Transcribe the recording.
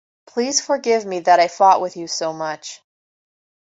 Please forgive me that I fought with you so much.